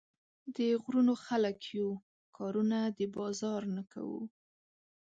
د غرونو خلک يو، کارونه د بازار نۀ کوو